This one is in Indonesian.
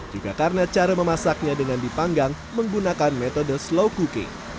juga karena cara memasaknya dengan dipanggang menggunakan metode slow cooking